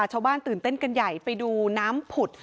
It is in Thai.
ชาวบ้านตื่นเต้นกันใหญ่ไปดูน้ำผุด